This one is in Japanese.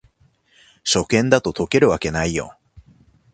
初見だと解けるわけないよ